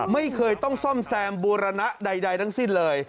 ไม่เคยต้องซ่อมแซมบูรณะใดทั้งสิ้นเลย